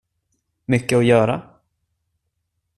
Mycket att göra?